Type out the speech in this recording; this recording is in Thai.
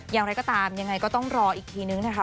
อย่างไรก็ตามยังไงก็ต้องรออีกทีนึงนะคะ